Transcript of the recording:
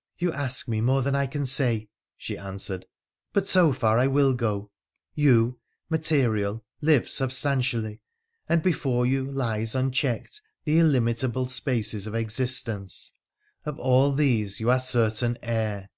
' You ask me more than I can say,' she answered, ' but so far I will go — you, material, live substantially, and before you lies unchecked the illimitable spaces of existence. Of all these you are certain heir.'